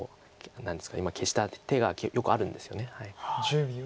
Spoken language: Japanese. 何ですか今消した手がよくあるんですよね。